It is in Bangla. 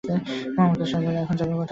মমতাজ সাহেব বললেন, এখন যাবে কোথায়?